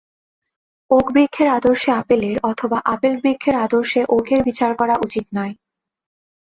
Okay বৃক্ষের আদর্শে আপেলের অথবা আপেল বৃক্ষের আদর্শে ওকের বিচার করা উচিত নয়।